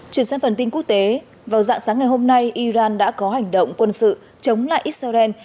chuyển sang phần tin quốc tế vào dạng sáng ngày hôm nay iran đã có hành động quân sự chống lại israel